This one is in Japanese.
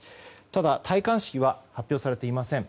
ただ、戴冠式は発表されていません。